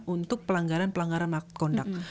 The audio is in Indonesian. untuk pelanggaran pelanggaran market conduct